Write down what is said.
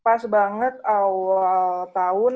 pas banget awal tahun